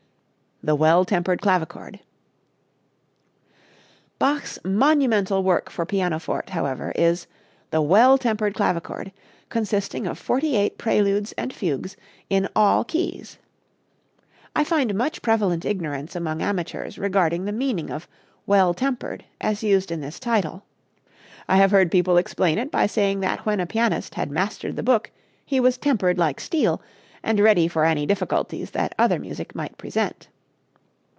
"The Well Tempered Clavichord." Bach's monumental work for pianoforte, however, is "The Well Tempered Clavichord," consisting of forty eight preludes and fugues in all keys. I find much prevalent ignorance among amateurs regarding the meaning of "well tempered" as used in this title. I have heard people explain it by saying that when a pianist had mastered the book he was "tempered" like steel and ready for any difficulties that other music might present!